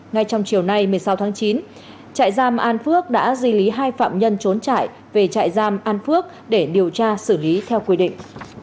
ngay trong chiều nay một mươi sáu tháng chín trại giam an phước đã di lý hai phạm nhân trốn trại về trại giam an phước để điều tra xử lý theo quy định